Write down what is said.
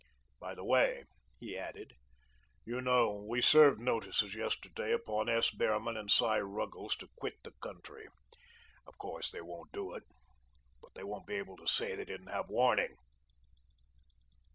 By the way," he added, "you know we served notices yesterday upon S. Behrman and Cy. Ruggles to quit the country. Of course, they won't do it, but they won't be able to say they didn't have warning."